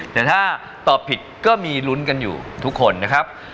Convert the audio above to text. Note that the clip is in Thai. แต่ถ้าตอบผิดก็มีลุ้นกันอยู่ทุกคนนะครับ